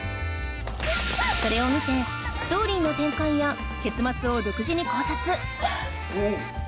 それを見てストーリーの展開や結末を独自に考察